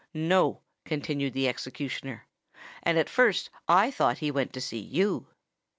"No," continued the executioner; "and at first I thought he went to see you."